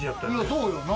そうよな。